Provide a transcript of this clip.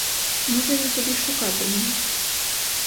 Може він побіг шукати мене?